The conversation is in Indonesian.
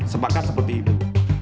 sepakat seperti itu